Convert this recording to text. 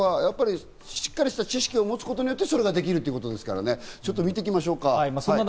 しっかりした知識を持つことによってそれができるわけですから、ちょっと見ていきましょうか。